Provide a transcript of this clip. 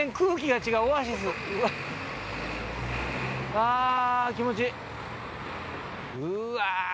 あ気持ちいい！